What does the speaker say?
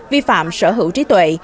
vi phạm sở hữu trí tuệ